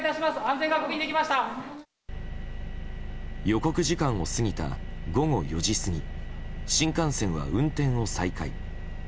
予告時間を過ぎた午後４時過ぎ新幹線は運転を再開。